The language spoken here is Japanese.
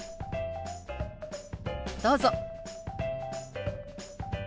どうぞ。